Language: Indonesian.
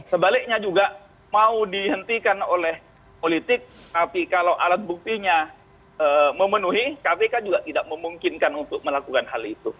sebaliknya juga mau dihentikan oleh politik tapi kalau alat buktinya memenuhi kpk juga tidak memungkinkan untuk melakukan hal itu